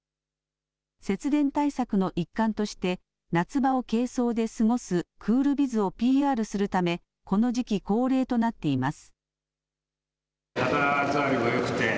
節電対策の一環として夏場を軽装で過ごすクールビズをＰＲするためこの時期恒例となっています。